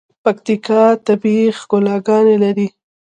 پکیتکا طبیعی ښکلاګاني لري.